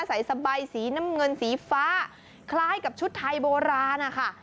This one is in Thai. ใส่สบายสีน้ำเงินสีฟ้าคล้ายกับชุดไทยโบราณนะคะ